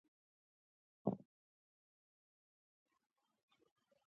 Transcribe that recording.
لاس یې په ږیره تېر کړ او وویل: ځه خدای مهربان دی.